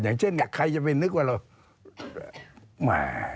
อย่างเช่นใครจะไปนึกว่าเรามา